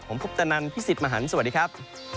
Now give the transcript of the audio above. ผมพุทธนันพี่สิทธิ์มหันฯสวัสดีครับ